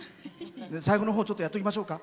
最後のほうちょっとやっておきましょうか。